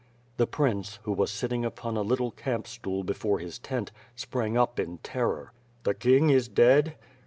The Prince, who was sitting upon a little camp stool before his tent, sprang up in terror. "The King is dead?"